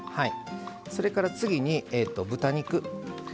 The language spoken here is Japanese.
それから次に豚肉。